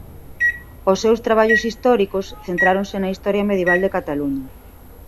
Os seus traballos históricos centráronse na historia medieval de Cataluña.